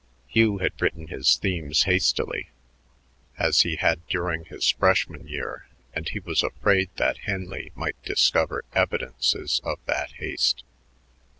Hugh had written his themes hastily, as he had during his freshman year, and he was afraid that Henley might discover evidences of that haste.